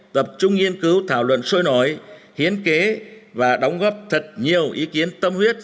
tập trung nghiên cứu thảo luận sôi nổi hiến kế và đóng góp thật nhiều ý kiến tâm huyết